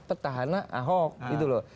petahana ahok gitu loh